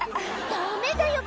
ダメだよ